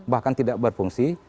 bahkan tidak berfungsi